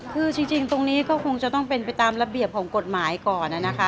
คือจริงตรงนี้ก็คงจะต้องเป็นไปตามระเบียบของกฎหมายก่อนนะคะ